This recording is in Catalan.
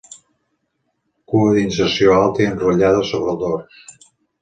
Cua d'inserció alta i enrotllada sobre el dors.